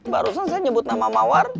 barusan saya nyebut nama mawar